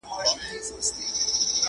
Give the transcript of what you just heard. o له نه مړو ملک، سو ميرو!